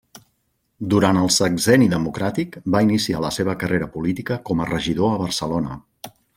Durant el Sexenni Democràtic va iniciar la seva carrera política com a regidor a Barcelona.